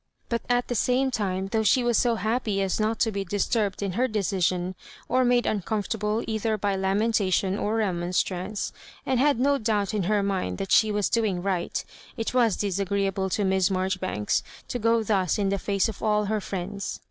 But, at the same time, though she was so hap py as qot to be disturbed in her decision, or made Digitized by VjOOQIC loss MABJOBIBAHKS. 1S8 nnoomfortable, either by lamentation or remon strance, and liad no doubt in her mind that she was doing right, it was disagreeable to Kiss Marfori banks to go thus in the face of all her friends.